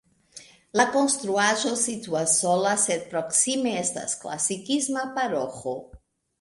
La konstruaĵo situas sola, sed proksime estas klasikisma paroĥo.